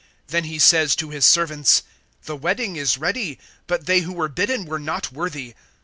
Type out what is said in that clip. (8)Then he says to his servants: The wedding is ready, but they who were bidden were not worthy.